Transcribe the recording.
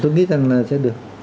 tôi nghĩ rằng sẽ được